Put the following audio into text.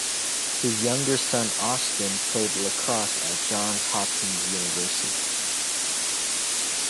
His younger son, Austin, played lacrosse at Johns Hopkins University.